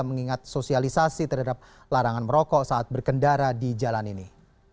mengingat sosialisasi terhadap larangan merokok saat berkendara di jalan ini